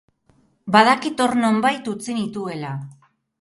Badakit hor nonbait utzi nituela.